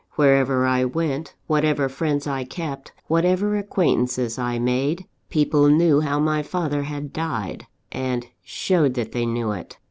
Wherever I went, whatever friends I kept, whatever acquaintances I made people knew how my father had died: and showed that they knew it.